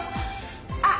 あっ。